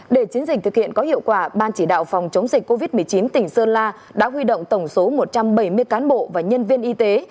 để chiến dịch thực hiện có hiệu quả ban chỉ đạo phòng chống dịch covid một mươi chín tỉnh sơn la đã huy động tổng số một trăm bảy mươi cán bộ và nhân viên y tế